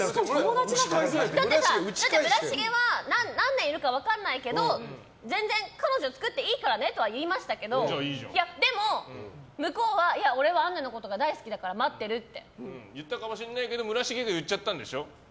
だって、村重は何年いるか分かんないけど全然彼女作っていいからねって言いましたけどでも、向こうは俺は杏奈のことが大好きだから言ったかもしんないけど言っちゃった。